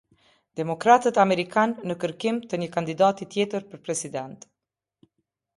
Demokratët amerikanë në kërkim të një kandidati tjetër për president.